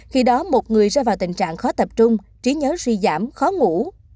khi đó một người rơi vào tình trạng khó tập trung trí nhớ suy giảm khó ngủ